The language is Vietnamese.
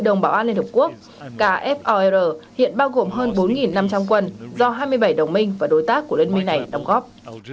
đồng bảo an liên hợp quốc kfor hiện bao gồm hơn bốn năm trăm linh quân do hai mươi bảy đồng minh và đối tác của liên minh này đóng góp